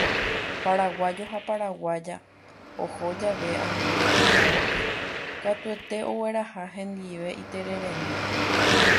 Paraguayo ha paraguaya oho jave ambue tetã rupi katuete ogueraha hendive itereremi.